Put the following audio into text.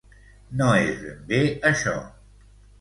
No és ben bé això.